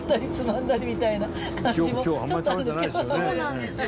そうなんですよ。